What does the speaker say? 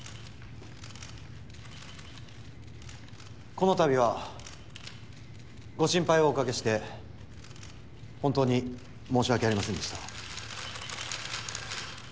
このたびはご心配をおかけして本当に申し訳ありませんでした。